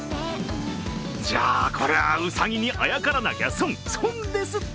じゃあ、これはうさぎにあやからなきゃ、損、損ですって。